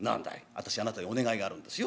「私あなたにお願いがあるんですよ」。